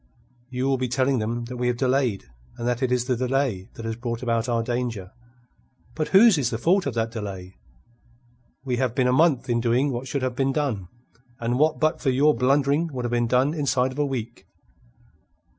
"You will be telling them that we have delayed, and that it is the delay that has brought about our danger. But whose is the fault of that delay? We have been a month in doing what should have been done, and what but for your blundering would have been done, inside of a week."